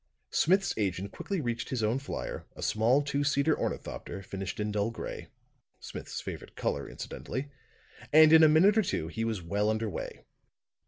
Smith's agent quickly reached his own flier, a small two seater ornithopter finished in dull gray Smith's favorite color, incidentally and in a minute or two he was well under way.